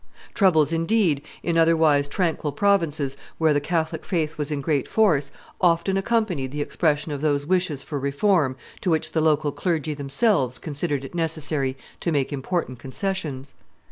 Troubles, indeed, in otherwise tranquil provinces, where the Catholic faith was in great force, often accompanied the expression of those wishes for reform to which the local clergy themselves considered it necessary to make important concessions.